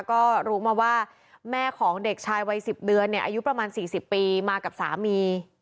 ก็รู้มาว่าแม่ของเด็กชายวัย๑๐เดือนอายุประมาณ๔๐ปีมากับสามี